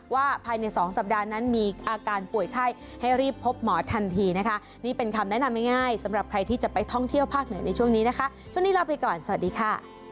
ว่าภายใน๒สัปดาห์นั้นมีอาการป่วยไข้ให้รีบพบหมอทันทีนะคะนี่เป็นคำแนะนำง่ายสำหรับใครที่จะไปท่องเที่ยวภาคเหนือในช่วงนี้นะคะช่วงนี้ลาไปก่อนสวัสดีค่ะ